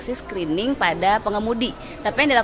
selain itu kami juga melakukan pemeriksaan cek gula darah